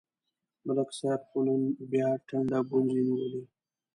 ملک صاحب خو نن بیا ټنډه گونځې نیولې